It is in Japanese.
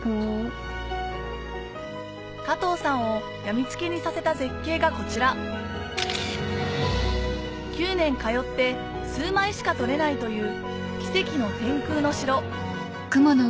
加藤さんをやみつきにさせた絶景がこちら９年通って数枚しか撮れないという奇跡の天空の城